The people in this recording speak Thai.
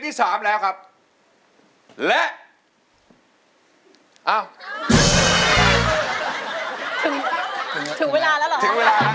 ถึงเวลาแล้วหรอ